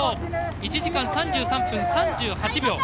１時間３３分３８秒